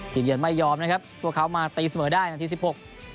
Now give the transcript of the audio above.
ทีมเย็นไม่ยอมนะครับตัวเข้ามาตีเสมอได้อันดับ๑๖